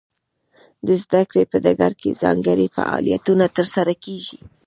د زده کړې په ډګر کې ځانګړي فعالیتونه ترسره کیږي.